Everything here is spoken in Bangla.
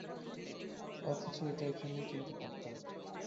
অথচ এটা এখানেই কিনতে পারতাম।